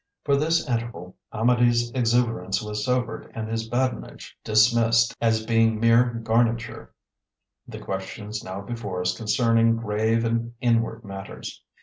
For this interval Amedee's exuberance was sobered and his badinage dismissed as being mere garniture, the questions now before us concerning grave and inward matters.